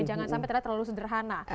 jangan sampai terlalu sederhana